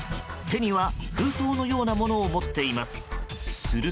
手には封筒のようなものを持っています。